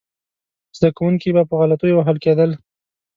زده کوونکي به په غلطیو وهل کېدل.